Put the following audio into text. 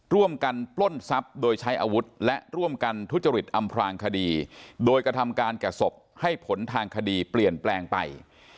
ปล้นทรัพย์โดยใช้อาวุธและร่วมกันทุจริตอำพลางคดีโดยกระทำการแก่ศพให้ผลทางคดีเปลี่ยนแปลงไป